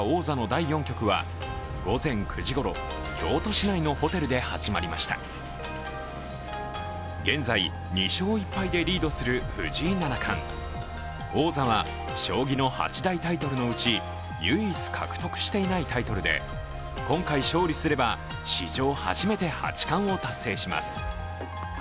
王座の第４局は午前９時ごろ、京都市内のホテルで始まりました現在、２勝１敗でリードする藤井七冠王座は将棋の八大タイトルのうち、唯一獲得していないタイトルで今回勝利すれば史上初めて八冠を達成します。